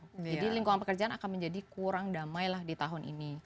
jadi lingkungan pekerjaan akan menjadi kurang damai lah di tahun ini